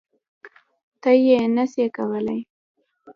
ته یی نه سی کولای